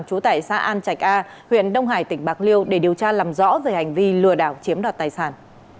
cảnh sát an trạch a huyện đông hải tỉnh bạc liêu để điều tra làm rõ về hành vi lừa đảo chiếm đoạt tài sản